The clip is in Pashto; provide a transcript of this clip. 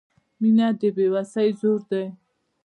• مینه د بې وسۍ زور دی.